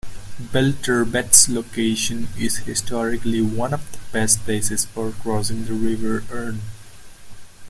Belturbet's location is historically one of the best places for crossing the River Erne.